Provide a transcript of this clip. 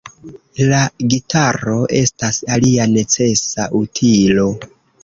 La gitaro estas alia necesa utilo.